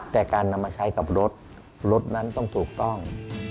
แต่การนำมาใช้กับรถรถนั้นต้องถูกต้อง